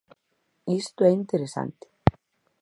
Isto é interesante.